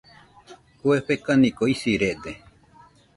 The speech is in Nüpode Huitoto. Kue fekaniko isirede.